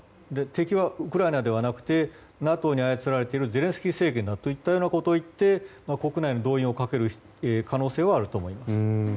敵はウクライナではなくてＮＡＴＯに操られているゼレンスキー政権だといって国内の動員をかける可能性はあると思います。